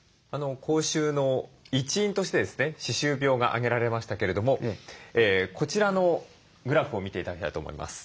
口臭の一因としてですね歯周病が挙げられましたけれどもこちらのグラフを見て頂きたいと思います。